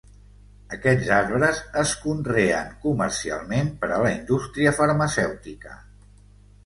Aquests arbres es conreen comercialment per a la indústria farmacèutica.